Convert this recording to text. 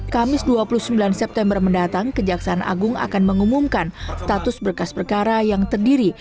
kamis dua puluh sembilan september mendatang kejaksaan agung akan mengumumkan status berkas perkara yang terdiri